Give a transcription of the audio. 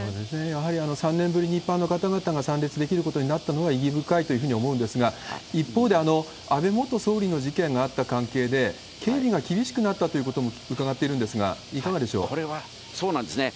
やはり３年ぶりに一般の方々が参列できることになったのが意義深いというふうに思うんですが、一方で、安倍元総理の事件があった関係で、警備が厳しくなったということも伺っているんですが、いかがでしこれはそうなんですね。